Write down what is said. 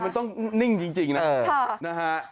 ใจมันต้องนิ่งจริงนะ